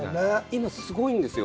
今、すごいんですよ。